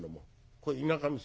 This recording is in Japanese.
これ田舎みそ。